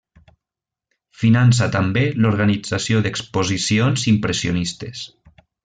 Finança també l'organització d'exposicions impressionistes.